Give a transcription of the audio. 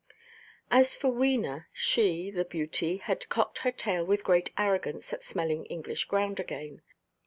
As for Wena, she (the beauty) had cocked her tail with great arrogance at smelling English ground again.